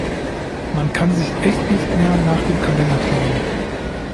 Man kann sich echt nicht mehr nach dem Kalender kleiden.